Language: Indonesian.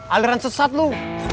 aliran sesat lo